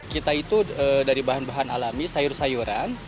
kita itu dari bahan bahan alami sayur sayuran